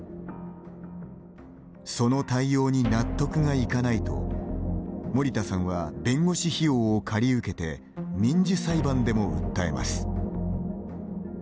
その対応に納得がいかないと森田さんは弁護士費用を借り受けて民事裁判でも訴えます。